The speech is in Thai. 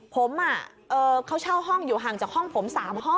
ผมเขาเช่าห้องอยู่ห่างจากห้องผม๓ห้อง